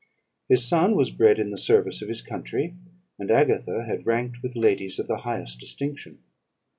His son was bred in the service of his country; and Agatha had ranked with ladies of the highest distinction.